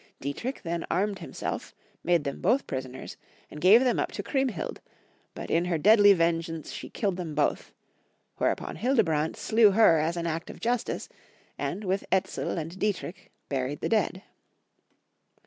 Diet rich then armed himself, made them both prison ers, and gave them up to Chriemhild ; but in her deadly vengeance she killed them both; where upon HUdebrand slew her as an act of justice, and, with Etzel and Dietrich, biuied the dead.